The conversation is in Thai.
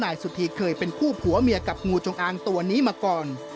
นายสุธีเคยเป็นคู่ผัวเมียกับงูจงอางตัวนี้มาก่อน